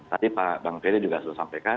tadi pak bang ferry juga sudah sampaikan